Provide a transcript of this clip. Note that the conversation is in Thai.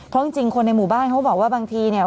เพราะจริงคนในหมู่บ้านเขาบอกว่าบางทีเนี่ย